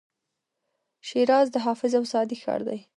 شیراز د حافظ او سعدي ښار دی.